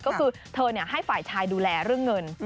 ก็คือเธอให้ฝ่ายชายดูแลเรื่องเงิน